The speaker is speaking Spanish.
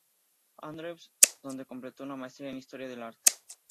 Andrews, donde completó una maestría en historia del arte.